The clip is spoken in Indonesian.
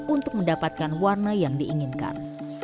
untuk mendapatkan warna yang diinginkan